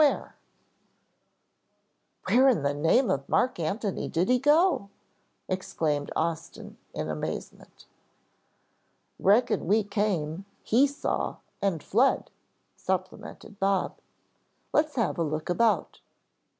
"Where in the name of Mark Antony did he go?" exclaimed Austin in amazement. "Reckon we came, he saw, and fled," supplemented Bob. "Let's have a look about.